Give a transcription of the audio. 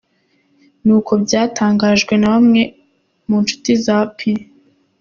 Nkuko byatangajwe na bamwe mu nshuti za P.